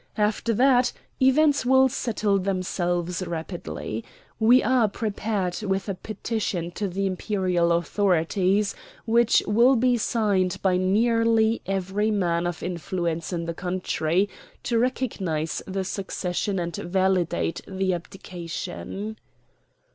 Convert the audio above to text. After that, events will settle themselves rapidly. We are prepared with a petition to the Imperial authorities, which will be signed by nearly every man of influence in the country, to recognize the succession and validate the abdication."